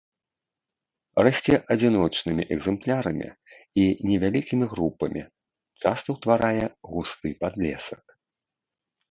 Расце адзіночнымі экземплярамі і невялікімі групамі, часта ўтварае густы падлесак.